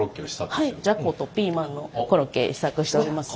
はいじゃことピーマンのコロッケ試作しております。